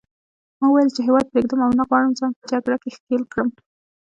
ما وویل چې هیواد پرېږدم او نه غواړم ځان په جګړه کې ښکېل کړم.